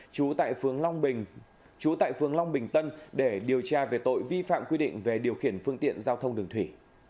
trú tại phương long bình tân để điều tra về tội vi phạm quy định về điều khiển phương tiện giao thông đường thủy